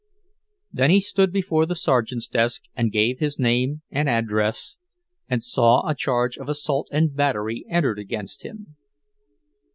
Then he stood before the sergeant's desk and gave his name and address, and saw a charge of assault and battery entered against him.